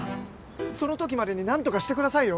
その時までになんとかしてくださいよ。